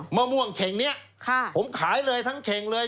มะม่วงเข่งนี้ผมขายเลยทั้งเข่งเลย